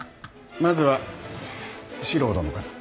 まずは四郎殿から。